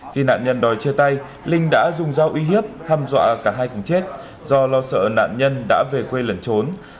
khi nạn nhân đòi chia tay linh đã dùng dao uy hiếp hăm dọa cả hai cùng chết do lo sợ nạn nhân đã về quê lẩn trốn